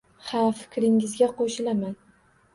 — Ha, fikringizga qoʻshilaman